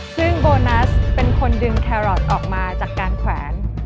ซึ่งโบนัสเป็นคนดึงแครอทออกมาจากการแขวน